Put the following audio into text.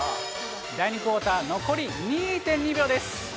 第２クオーター、残り２．２秒です。